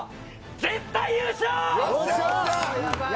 絶対優勝！